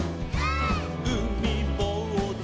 「うみぼうず」「」